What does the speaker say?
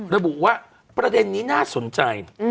ระบุว่าประเด็นนี้น่าสนใจ